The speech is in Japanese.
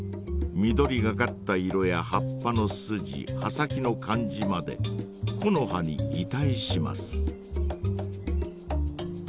緑がかった色や葉っぱのスジ葉先の感じまで木の葉にぎたいします。